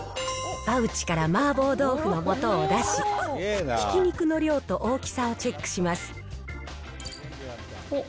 パウチから麻婆豆腐の素を出し、ひき肉の量と大きさをチェックします。